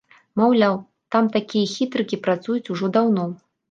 Маўляў, там такія хітрыкі працуюць ужо даўно.